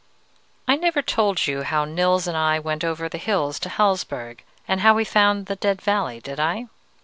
"I never told you how Nils and I went over the hills to Hallsberg, and how we found the Dead Valley, did I?